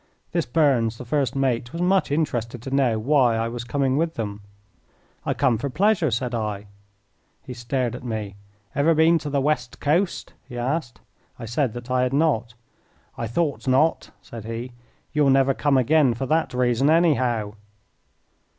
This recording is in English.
This Burns, the first mate, was much interested to know why I was coming with them. "I come for pleasure," said I. He stared at me. "Ever been to the West Coast?" he asked. I said that I had not. "I thought not," said he. "You'll never come again for that reason, anyhow."